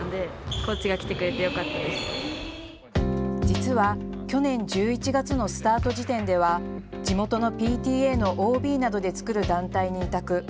実は去年１１月のスタート時点では地元のＰＴＡのＯＢなどで作る団体に委託。